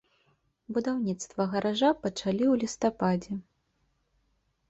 Будаўніцтва гаража пачалі ў лістападзе.